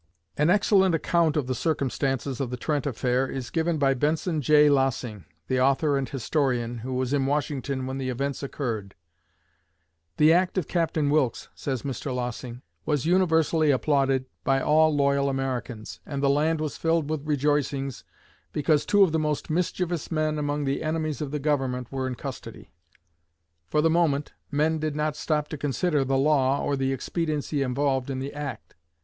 An excellent account of the circumstances of the Trent affair is given by Benson J. Lossing, the author and historian, who was in Washington when the events occurred. "The act of Captain Wilkes," says Mr. Lossing, "was universally applauded by all loyal Americans, and the land was filled with rejoicings because two of the most mischievous men among the enemies of the Government were in custody. For the moment, men did not stop to consider the law or the expediency involved in the act.